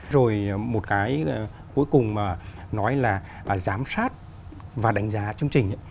rồi một cái cuối cùng mà nói là giám sát và đánh giá chương trình